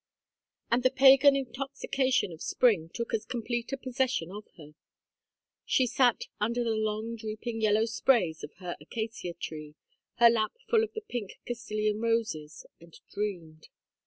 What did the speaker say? And the pagan intoxication of spring took as complete a possession of her. She sat under the long drooping yellow sprays of her acacia tree, her lap full of the pink Castilian roses, and dreamed.